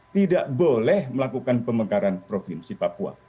tidak boleh melakukan pemekaran provinsi papua